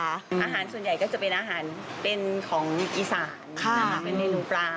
อาหารส่วนใหญ่ก็จะเป็นอาหารมีกี่สารนะครับเป็นเมนูปลา